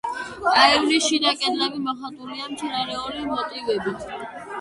აივნის შიდა კედლები მოხატულია მცენარეული მოტივებით.